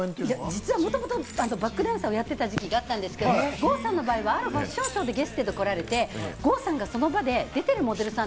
実はもともとバックダンサーをやってた時期があったんですけれど、あるファッションショーでゲストで郷さんが来られて、その場で出てるモデルさん